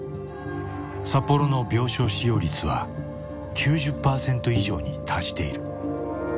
札幌の病床使用率は９０パーセント以上に達している。